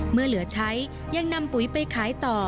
เมื่อเหลือใช้ยังนำปุ๋ยไปขายต่อ